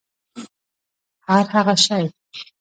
هرهغه شی